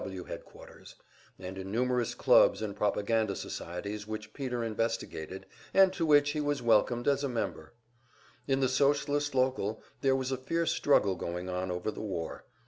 W. W. headquarters, and in numerous clubs and propaganda societies which Peter investigated, and to which he was welcomed as a member. In the Socialist local there was a fierce struggle going on over the war.